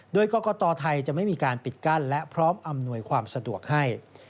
โดยกรกตไทยจะไม่มีการปิดกั้นและพร้อมอำนวยความสะดวกให้